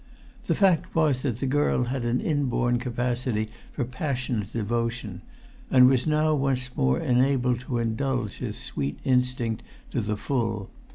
The fact was that the girl had an inborn capacity for passionate devotion, and was now once more enabled to indulge this sweet instinct to the full.